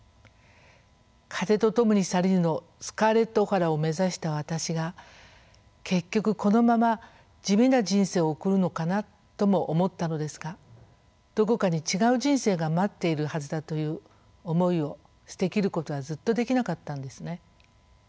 「風と共に去りぬ」のスカーレット・オハラを目指した私が結局このまま地味な人生を送るのかなとも思ったのですがどこかに違う人生が待っているはずだという思いを捨て切ることはずっとできなかったんですね。